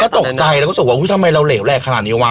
ก็ตกใจแล้วก็คิดว่าอุ้ยทำไมเราเหลวแรกขนาดนี้วะ